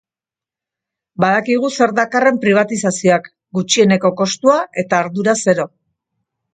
Badakigu zer dakarren pribatizazioak, gutxieneko kostua eta ardura zero.